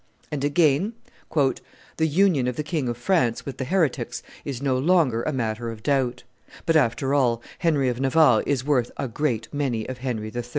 And again: "The union of the King of France with the heretics is no longer a matter of doubt; but, after all, Henry of Navarre is worth a great many of Henry III.